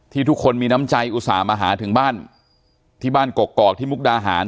ทุกคนมีน้ำใจอุตส่าห์มาหาถึงบ้านที่บ้านกกอกที่มุกดาหาร